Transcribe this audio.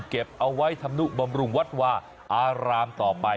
เก็บเอาไว้ทำนุบำรุงวัดวาอารามต่อไป